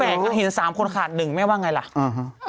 มันแปลกว่าเห็นสามคนขาดหนึ่งแม่งว่าอย่างไรละ